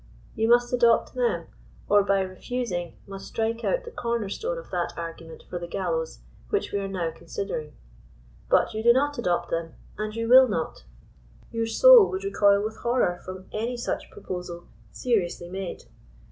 You must adopt them, or by refusing must strike out the corner stone of that argument for the gallows which we are now considering. But you do not adopt them, and you will not. Your soul would "recoil with horror from any such proposal, seriously made.